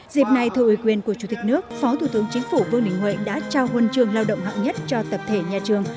dịp này thưa ủy quyền của chủ tịch nước phó thủ tướng chính phủ vương đình huệ đã trao huân trường lao động hạng nhất cho tập thể nhà trường